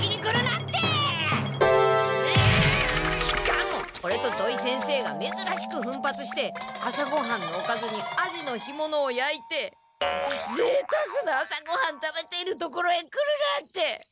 しかもオレと土井先生がめずらしくふんぱつして朝ごはんのおかずにアジのひものをやいてぜいたくな朝ごはん食べているところへ来るなんて！